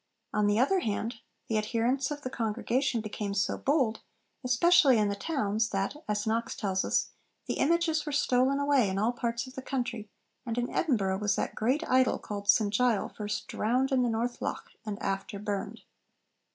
On the other hand, the adherents of the congregation became so bold, especially in the towns, that (as Knox tells us) 'the images were stolen away in all parts of the country, and in Edinburgh was that great idol called St Gile first drowned in the North Loch, and after burned.'